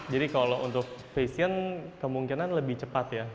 jadi kalau untuk vision kemungkinan lebih cepat ya